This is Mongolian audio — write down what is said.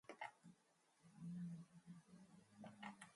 Гүн тийм тохиолдолд би бууж өглөө.